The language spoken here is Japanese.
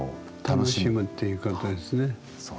楽しむっていうことですね。